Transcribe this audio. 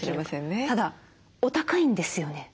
ただお高いんですよね？